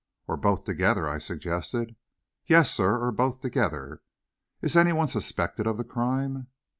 "Or both together?" I suggested. "Yes, sir; or both together." "Is any one suspected of the crime?"